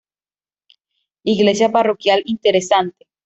Iglesia parroquial interesante.